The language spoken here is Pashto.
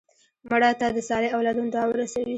مړه ته د صالح اولادونو دعا ورسوې